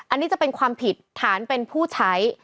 อันนี้จะเป็นความผิดฐานเป็นผู้ใช้